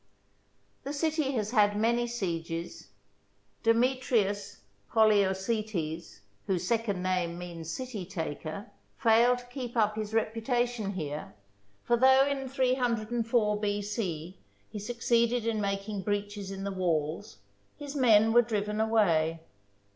The city has had many sieges. Demetrius Polior cetes, whose second name means " city taker," failed to keep up his reputation here, for though in 304 B.C. he succeeded in making breaches in the walls, his men were driven away.